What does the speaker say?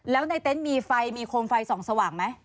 แล้วในเต็นต์มีไฟมีโคมไฟส่องสว่างไหม